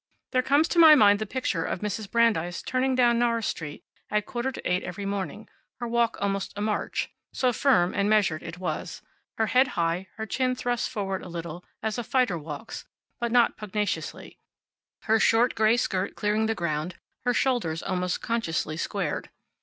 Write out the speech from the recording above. There comes to my mind the picture of Mrs. Brandeis turning down Norris Street at quarter to eight every morning, her walk almost a march, so firm and measured it was, her head high, her chin thrust forward a little, as a fighter walks, but not pugnaciously; her short gray skirt clearing the ground, her shoulders almost consciously squared.